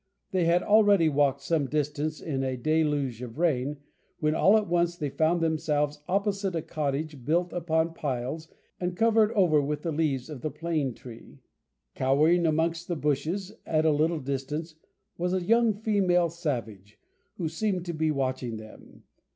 They had already walked some distance in a deluge of rain, when all at once they found themselves opposite a cottage built upon piles, and covered over with leaves of the plane tree. Cowering amongst the bushes, at a little distance, was a young female savage, who seemed to be watching them.